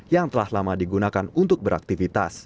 yang telah lama digunakan untuk beraktivitas